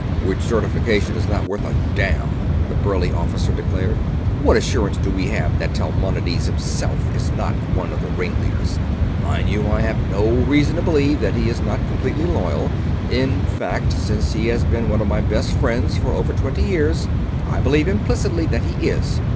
"Which certification is not worth a damn," the burly Officer declared. "What assurance do we have that Talmonides himself is not one of the ringleaders? Mind you, I have no reason to believe that he is not completely loyal. In fact, since he has been one of my best friends for over twenty years, I believe implicitly that he is.